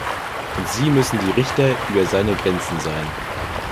Und sie müssen die Richter über seine Grenzen sein.